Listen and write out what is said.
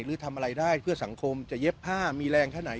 หรือทำอะไรได้เพื่อสังคมจะเย็บผ้ามีแรงแค่ไหน